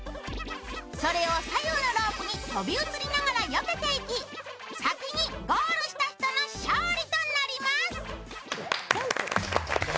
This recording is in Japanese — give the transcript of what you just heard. それを左右のロープに飛び移りながらよけていき、先にゴールした人の勝利となります。